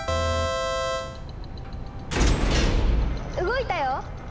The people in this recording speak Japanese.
動いたよ！